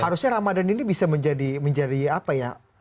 harusnya ramadhan ini bisa menjadi apa ya